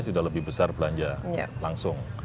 sudah lebih besar belanja langsung